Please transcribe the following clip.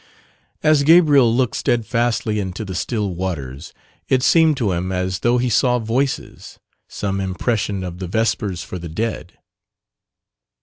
As Gabriel looked steadfastly into the still waters it seemed to him as though he saw voices some impression of the Vespers for the Dead.